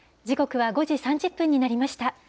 時刻は５時３０分になりました。